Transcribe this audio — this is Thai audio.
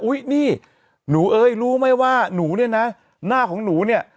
นี่หนูเอ้ยรู้ไหมว่าหนูเนี่ยนะหน้าของหนูเนี่ย